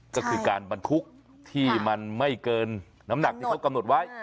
ก็คือการบรรทุกที่มันไม่เกินน้ำหนักที่เขากำหนดไว้